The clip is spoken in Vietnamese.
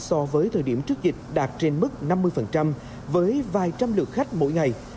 so với thời điểm trước dịch đạt trên mức năm mươi với vài trăm lượt khách mỗi ngày